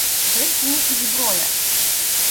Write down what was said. — Де кінь і зброя?